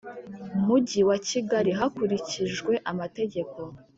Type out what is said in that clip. Mujyi wa Kigali hakurikijwe amategeko